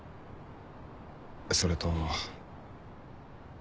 それと。